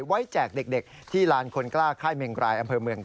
แจกเด็กที่ลานคนกล้าค่ายเมงรายอำเภอเมือง